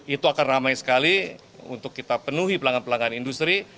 itu akan ramai sekali untuk kita penuhi pelanggan pelanggan industri